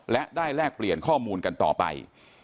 และได้แลกเปลี่ยนข้อมูลกันต่อไป